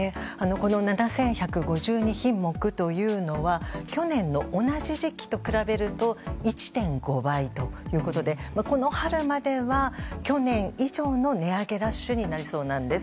この７１５２品目というのは去年の同じ時期と比べると１．５倍ということでこの春までは去年以上の値上げラッシュになりそうなんです。